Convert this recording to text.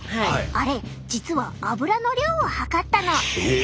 あれ実はアブラの量を測ったの。え！？